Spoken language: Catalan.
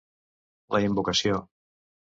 La invocació.